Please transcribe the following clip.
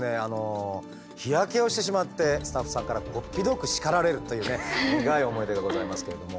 日焼けをしてしまってスタッフさんからこっぴどく叱られるというね苦い思い出がございますけれども。